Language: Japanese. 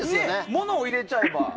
物を入れちゃえば。